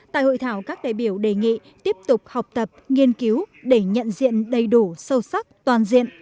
tại hội thảo các đại biểu đề nghị tiếp tục học tập nghiên cứu để nhận diện đầy đủ sâu sắc toàn diện